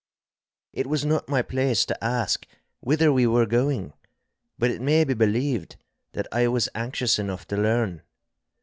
It was not my place to ask whither we were going, but it may be believed that I was anxious enough to learn.